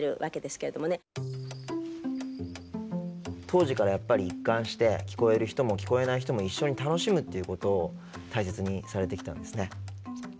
当時からやっぱり一貫して聞こえる人も聞こえない人も一緒に楽しむっていうことを大切にされてきたんですね。